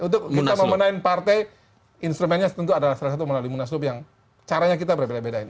untuk kita memenuhi partai instrumennya tentu adalah salah satu melalui munaslob yang caranya kita berbeda beda ini